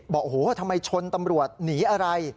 บอกโอ้โหทำไมชนตำรวจหนีอะไร